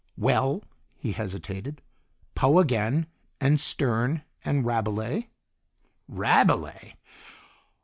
"Well " He hesitated "Poe again, and Stern, and Rabelais " "Rabelais!"